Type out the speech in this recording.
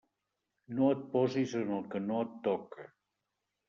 No et posis en el que no et toca.